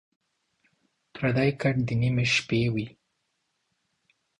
پردی کټ دَ نیمې شپې وي